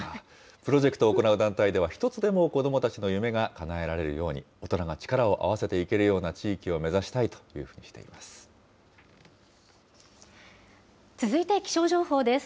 プロジェクトを行う団体では、１つでも子どもたちの夢がかなえられるように、大人が力を合わせていけるような地域を目指したいと続いて気象情報です。